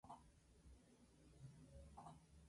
Black Emperor con el consenso colectivo de sus miembros.